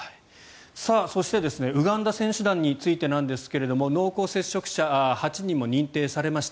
そしてウガンダ選手団についてですが濃厚接触者８人も認定されました。